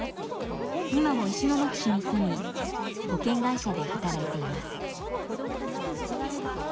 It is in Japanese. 今も石巻市に住み保険会社で働いています。